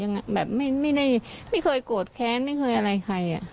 แบบไม่ได้ไม่เคยโกรธแค้นไม่เคยอะไรใคร